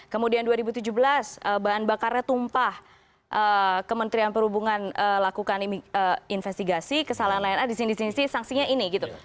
kemudian dua ribu tujuh belas bahan bakarnya tumpah kementerian perhubungan lakukan investigasi kesalahan lion air di sini di sini di sini sanksinya ini